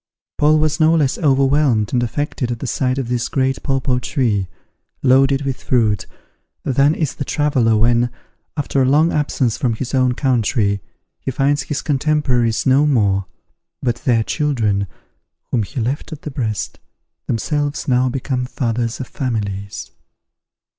Paul was no less over whelmed and affected at the sight of this great papaw tree, loaded with fruit, than is the traveller when, after a long absence from his own country, he finds his contemporaries no more, but their children, whom he left at the breast, themselves now become fathers of families.